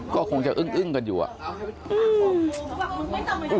ก็คงจะอึ้งกันอยู่อ่ะ